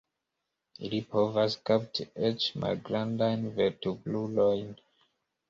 Ili povas kapti eĉ malgrandajn vertebrulojn.